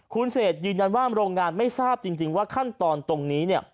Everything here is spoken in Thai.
คุณเศษยืนยันว่าโรงงานไม่ทราบจริงว่าขั้นตอนตรงนี้เนี่ย